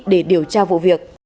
để điều tra vụ việc